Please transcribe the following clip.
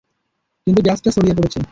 কিন্তু গ্যাসটা ছড়িয়ে পড়েছে।